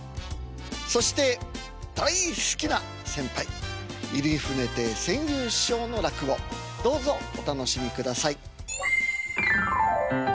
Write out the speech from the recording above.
そして大好きな先輩入船亭扇遊師匠の落語どうぞお楽しみください。